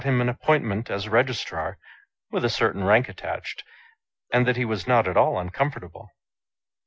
I0 3 an appointment as Registrar, with a certain rank at tached, and that he was not at all uncomfortable.